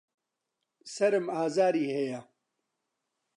سەرم ئازاری هەیە.